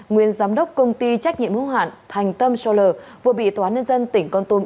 nguyên giám đốc công ty trách nhiệm hữu hạn thành tâm scholar vừa bị tòa án nhân dân tỉnh con tôn